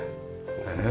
ねえ。